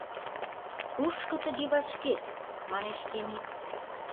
— Кушко тыге вашкет? — манеш Темит.